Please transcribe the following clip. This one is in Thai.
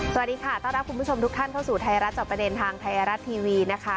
สวัสดีค่ะต้อนรับคุณผู้ชมทุกท่านเข้าสู่ไทยรัฐจอบประเด็นทางไทยรัฐทีวีนะคะ